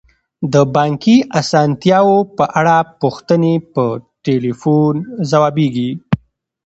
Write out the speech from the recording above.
د بانکي اسانتیاوو په اړه پوښتنې په تلیفون ځوابیږي.